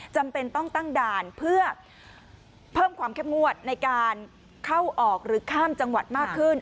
จำเป็นต้องตั้งด่านเพื่อเพิ่มความเข้มงวดในการเข้าออกหรือข้ามจังหวัดมากขึ้น